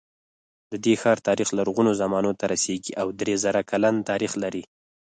د دې ښار تاریخ لرغونو زمانو ته رسېږي او درې زره کلن تاریخ لري.